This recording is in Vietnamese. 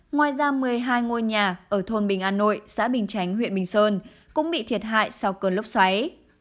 ngoài ra một mươi hai ngôi nhà ở thôn bình an nội xã bình chánh huyện bình sơn cũng bị thiệt hại sau cơn lốc xoáy